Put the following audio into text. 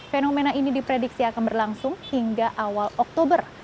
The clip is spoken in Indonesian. fenomena ini diprediksi akan berlangsung hingga awal oktober